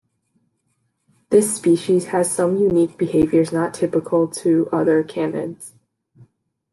This species has some unique behaviors not typical to other canids.